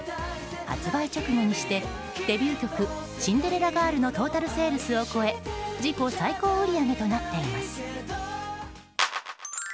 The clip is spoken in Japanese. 発売直後にして、デビュー曲「シンデレラガール」のトータルセールスを超え自己最高売り上げとなっています。